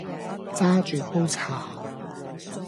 揸住煲茶